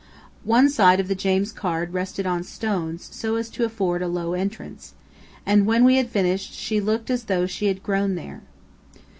One side of the James Caird rested on stones so as to afford a low entrance, and when we had finished she looked as though she had grown there.